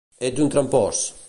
Ets un trampós!